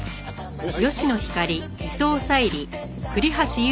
はい。